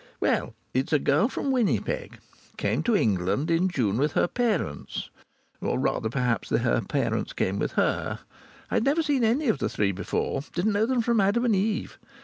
Well, it's a girl from Winnipeg. Came to England in June with her parents. Or rather, perhaps, her parents came with her. I'd never seen any of the three before didn't know them from Adam and Eve.